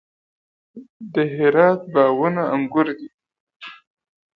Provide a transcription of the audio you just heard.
د هرات باغونه انګور دي